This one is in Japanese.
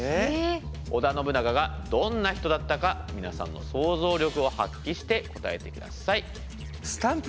織田信長がどんな人だったか皆さんの想像力を発揮して答えてください。